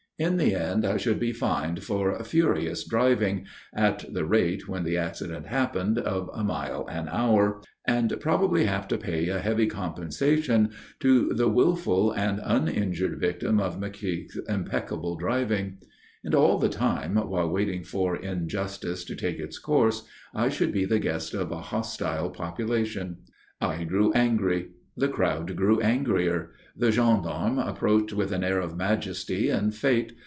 In the end I should be fined for furious driving at the rate, when the accident happened, of a mile an hour and probably have to pay a heavy compensation to the wilful and uninjured victim of McKeogh's impeccable driving. And all the time, while waiting for injustice to take its course, I should be the guest of a hostile population. I grew angry. The crowd grew angrier. The gendarmes approached with an air of majesty and fate.